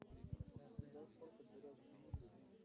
موږ باید خپل کلتوري ارزښتونه وپېژنو.